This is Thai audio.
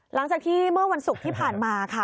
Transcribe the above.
หลังจากที่เมื่อวันศุกร์ที่ผ่านมาค่ะ